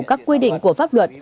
các quy định của pháp luật